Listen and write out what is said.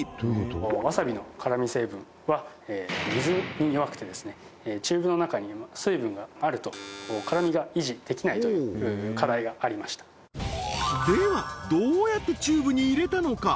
わさびの辛味成分は水に弱くてチューブの中に水分があると辛味が維持できないという課題がありましたではどうやってチューブに入れたのか？